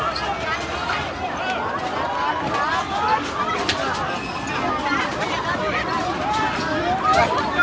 ไปกับทุกคนที่อยู่ในจบพื้น